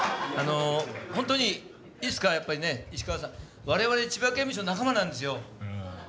ほんとにいいですかやっぱりね石川さん我々千葉刑務所の仲間なんですよ。